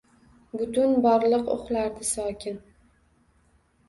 Butun borliq uxlarday sokin